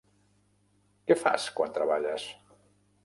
Què fas quan treballes?